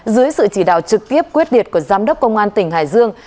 dưới sự chỉ đạo trực tiếp quyết liệt của giám đốc công an tỉnh hải dương